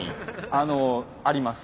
あのあります。